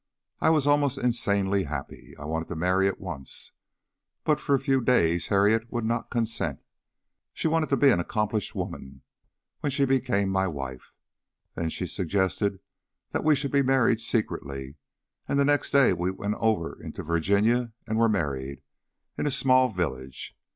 I was almost insanely happy. I wanted to marry at once, but for a few days Harriet would not consent. She wanted to be an accomplished woman when she became my wife. Then she suggested that we should be married secretly, and the next day we went over into Virginia and were married in a small village.